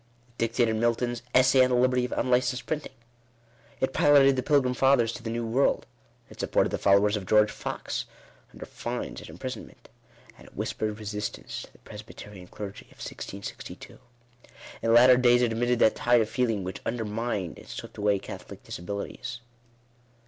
It dictated Milton's "Essay on the Liberty of Unlicensed Printing." It piloted the pilgrim fathers to the new world. It supported the followers of George Fox under fines and imprisonment. And it whispered resistance to the Presbyterian clergy of 1662. In latter days it emitted that tide of feeling which undermined and swept away Catholic disabilities.